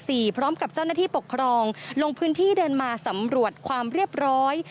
พร้อมกับเจ้าหน้าที่ปกครองลงพื้นที่เดินมาสำรวจความเรียบร้อย